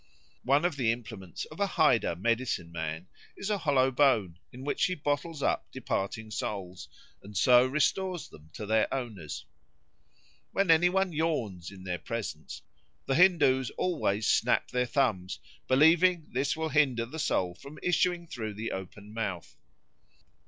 One of the implements of a Haida medicine man is a hollow bone, in which he bottles up departing souls, and so restores them to their owners. When any one yawns in their presence the Hindoos always snap their thumbs, believing that this will hinder the soul from issuing through the open mouth.